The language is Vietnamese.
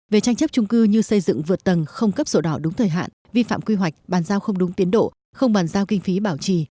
về tranh chấp trung cư như xây dựng vượt tầng không cấp sổ đỏ đúng thời hạn vi phạm quy hoạch bàn giao không đúng tiến độ không bàn giao kinh phí bảo trì